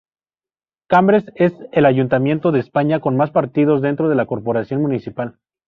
Cambre es el Ayuntamiento de España con más partidos dentro de la Corporación Municipal.